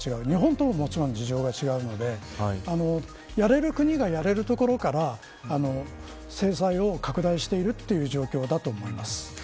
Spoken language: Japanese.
日本とも事情が違うのでやれる国がやれるところから制裁を拡大しているという状況だと思います。